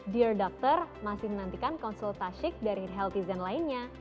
dear dokter masih menantikan konsul tasik dari healthizen lainnya